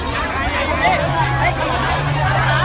ก็ไม่มีเวลาให้กลับมาเท่าไหร่